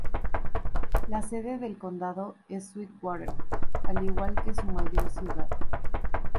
La sede del condado es Sweetwater, al igual que su mayor ciudad.